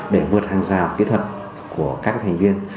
để vượt hàng rào kỹ thuật của các thành viên